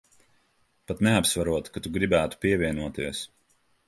Pat neapsverot, ka tu gribētu pievienoties.